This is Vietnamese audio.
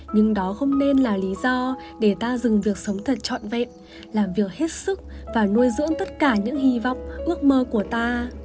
nhưng đó không nên là lý do để ta dừng việc sống thật trọn vẹn làm việc hết sức và nuôi dưỡng tất cả những hy vọng ước mơ của ta